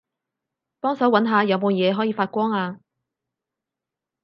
幫手搵下有冇嘢可以發光吖